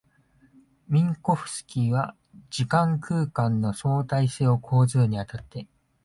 ミンコフスキーは時間空間の相対性を講ずるに当たって、